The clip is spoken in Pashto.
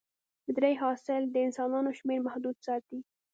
د درې حاصل د انسانانو شمېر محدود ساتي.